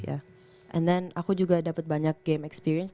and then aku juga dapat banyak game experience